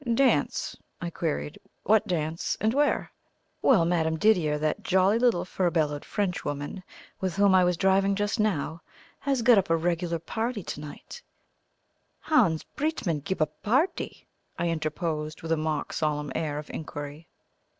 "Dance?" I queried. "What dance, and where?" "Well, Madame Didier, that jolly little furbelowed Frenchwoman with whom I was driving just now, has got up a regular party to night " "Hans Breitmann gib a barty?" I interposed, with a mock solemn air of inquiry.